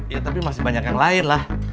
ya tapi masih banyak yang lain lah